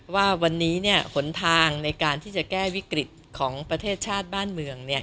ว่าวันนี้หนทางในการที่จะแก้วิกฤตของประเทศชาติบ้านเมือง